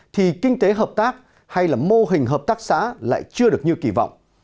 thì kinh tế hợp tác hay là mô hình hợp tác xã lại chưa được như kỳ vọng